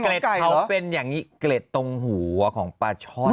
เขาเป็นอย่างนี้เกร็ดตรงหัวของปลาช่อน